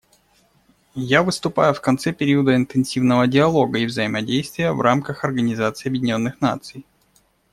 Я выступаю в конце периода интенсивного диалога и взаимодействия в рамках Организации Объединенных Наций.